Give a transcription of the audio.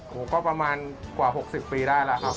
โอ้โหก็ประมาณกว่า๖๐ปีได้ล่ะครับ